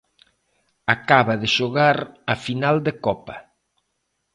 Acaba de xogar a final de Copa.